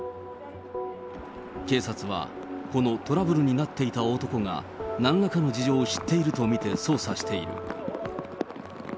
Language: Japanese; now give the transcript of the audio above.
警察は、このトラブルになっていた男が、なんらかの事情を知っていると見て捜査している。